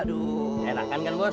aduh enakan kan bos